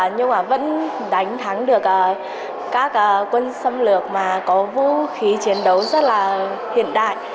nhưng mà vẫn đánh thắng được các quân xâm lược mà có vũ khí chiến đấu rất là hiện đại